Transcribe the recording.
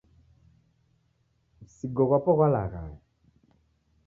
Msigi ghwapo ghwalaghaya